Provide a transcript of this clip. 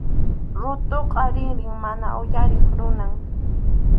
Ruqtʼuqa rinrin mana uyariq runam.